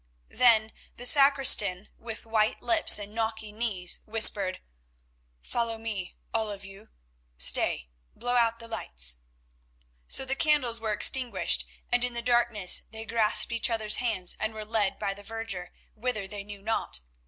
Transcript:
Then the sacristan, with white lips and knocking knees, whispered: "Follow me, all of you. Stay, blow out the lights." So the candles were extinguished, and in the darkness they grasped each other's hands and were led by the verger whither they knew not.